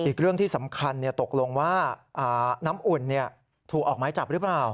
อีกเรื่องที่สำคัญตกลงว่าน้ำอุ่นถูกออกไม้จับหรือเปล่า